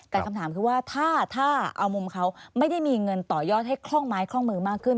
แต่คำถามคือว่าถ้าเอามุมเขาไม่ได้มีเงินต่อยอดให้คล่องไม้ข้องมือมากขึ้น